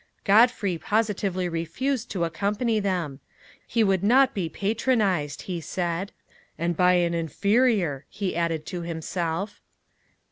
Godfrey positively refused to accompany them. He would not be patronized, he said; " and by an inferior," he added to himself.